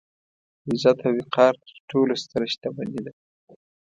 عزت او وقار تر ټولو ستره شتمني ده.